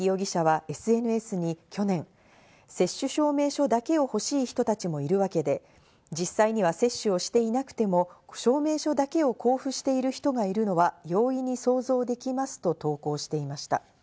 船木容疑者はＳＮＳに去年、接種証明書だけを欲しい人たちもいるわけで、実際には接種をしていなくても証明書だけを交付している人がいるのは容易に想像できますと投稿していました。